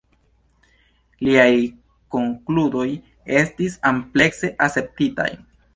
Liaj konkludoj estis amplekse akceptitaj.